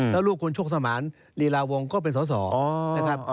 แล้วลูกคุณชกสมานลีลาวงก็เป็นศรีลำภา